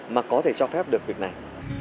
mà có thể cho phép được việc này